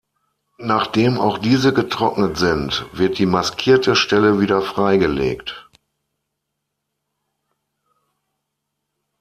Nachdem auch diese getrocknet sind, wird die maskierte Stelle wieder freigelegt.